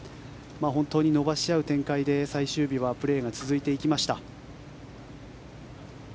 本当に伸ばし合う展開で最終日はプレーが続いていきました。